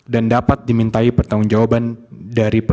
dan dapat dimintai pertanggung jawaban dari bapak